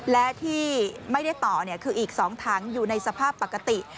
และที่ไม่ได้ต่อคืออีก๒ถังอยู่ในสภาพปกติ